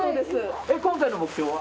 今回の目標は？